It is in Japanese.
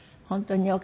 本当に。